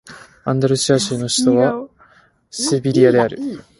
アンダルシア州の州都はセビリアである